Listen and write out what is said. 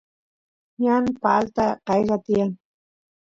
ñan palta qaylla tiyan